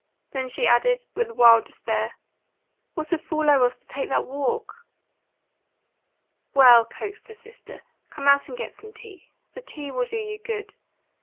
Then she added, with a wilder despair: "What a fool I was to take that walk!" "Well," coaxed her sister, "come out and get some tea. The tea will do you good."